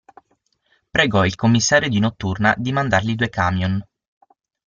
Pregò il commissario di notturna di mandargli due camion.